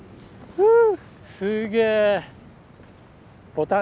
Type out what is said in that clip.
うん。